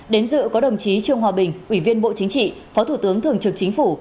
đến dự có đồng chí trương hòa bình ủy viên bộ chính trị phó thủ tướng thường trực chính phủ